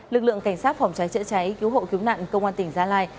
lực lượng cảnh sát phòng cháy chữa cháy cứu hộ cứu nạn công an tỉnh gia lai